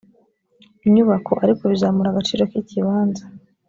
inyubako ariko bizamura agaciro k ikibanza